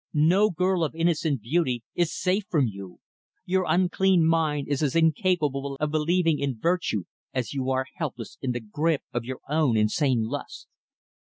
No girl of innocent beauty is safe from you. Your unclean mind is as incapable of believing in virtue, as you are helpless in the grip of your own insane lust."